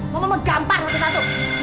mau muang gampar satu satu